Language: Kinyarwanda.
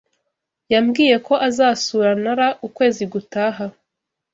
Yambwiye ko azasura Nara ukwezi gutaha.